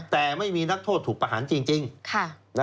แต่ไม่มีนักโทษถูกประหารจริง